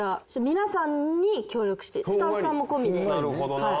皆さんに協力してスタッフさんも込みで。